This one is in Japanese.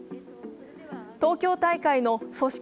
東京大会の組織